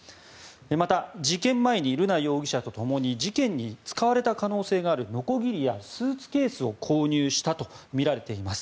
また、事件前に瑠奈容疑者とともに事件に使われた可能性があるのこぎりやスーツケースを購入したとみられています。